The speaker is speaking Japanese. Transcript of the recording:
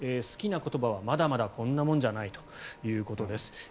好きな言葉はまだまだこんなもんじゃないということです。